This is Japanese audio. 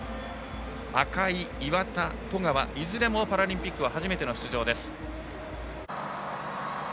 赤井、岩田、十川いずれもパラリンピックは初めての出場です。